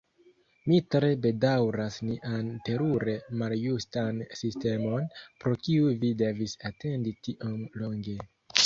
Mi tre bedaŭras nian terure maljustan sistemon, pro kiu vi devis atendi tiom longe!